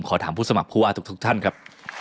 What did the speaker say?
ขอถามผู้สมัครผู้ว่าทุกท่านครับ